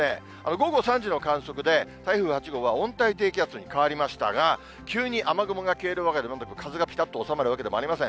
午後３時の観測で、台風８号は温帯低気圧に変わりましたが、急に雨雲が消えるわけでも、風がぴたっと収まるわけでもありません。